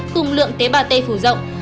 cùng lượng tế bào t phủ rộng